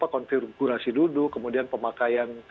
konfigurasi duduk kemudian pemakaian